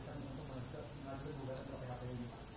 untuk menjelaskan pembuatan seribu tujuh ratus empat ini